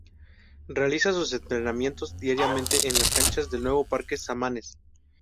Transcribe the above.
Realiza sus entrenamientos diariamente en las canchas del nuevo parque Samanes.